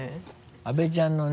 阿部ちゃんのね